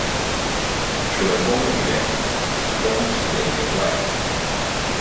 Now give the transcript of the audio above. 除了公務員及公職人員外